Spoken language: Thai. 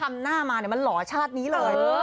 มาถามหน้ามาเนี้ยมันหลอชาตินี้เลยเออ